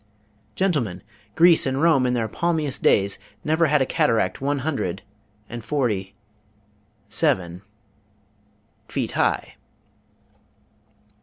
Gentlemen, Greece and Rome in their palmiest days never had a cataract one hundred and forty seven feet high!'"